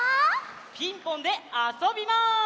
「ピンポン」であそびます！